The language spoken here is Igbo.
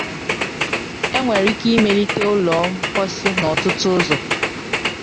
Enwere ike imelite ụlọ mposi n’ọtụtụ ụzọ.